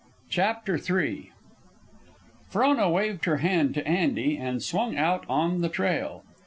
CHAPTER III Frona waved her hand to Andy and swung out on the trail.